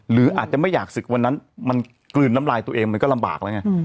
หรืออาจจะไม่อยากศึกวันนั้นมันกลืนน้ำลายตัวเองมันก็ลำบากแล้วไง